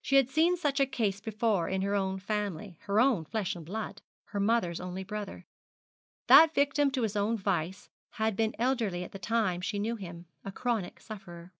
She had seen such a case before in her own family, her own flesh and blood, her mother's only brother. That victim to his own vice had been elderly at the time she knew him a chronic sufferer.